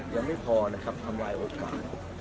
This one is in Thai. ยังไม่พอนะครับทำลายโอกาส